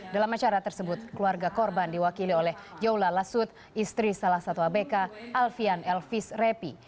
dalam acara tersebut keluarga korban diwakili oleh yola lasut istri salah satu abk alfian elvis repi